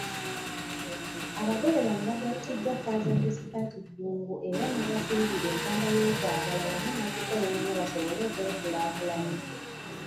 Abagole bano bagattiddwa Faaza Josephat Ddungu era n'abasibirira entanda y'okwagala wamu n'okukola ennyo basobole okwekulaakulanya.